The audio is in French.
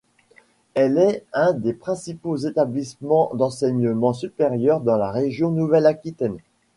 Elle est un des principaux établissements d'enseignement supérieur dans la région Nouvelle-Aquitaine.